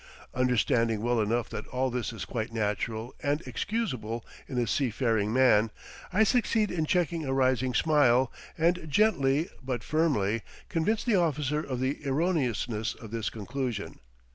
Understanding well enough that all this is quite natural and excusable in a sea faring man, I succeed in checking a rising smile, and gently, but firmly, convince the officer of the erroneousness of this conclusion.